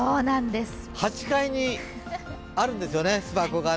８階にあるんですよね、巣箱がね。